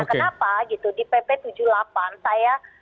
kenapa gitu di pp tujuh puluh delapan saya